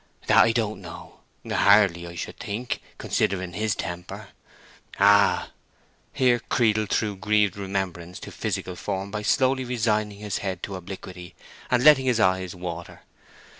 "That I don't know—hardly, I should think, considering his temper. Ah!" Here Creedle threw grieved remembrance into physical form by slowly resigning his head to obliquity and letting his eyes water.